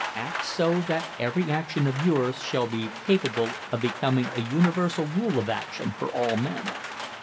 "Act so that every action of yours should be capable of becoming a universal rule of action for all men."